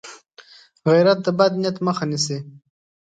غیرت د بد نیت مخه نیسي